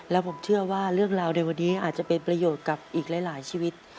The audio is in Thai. แล้วผมเชื่อว่าเรื่องราวในวันนี้อาจจะเป็นประโยชน์กับอีกหลายชีวิต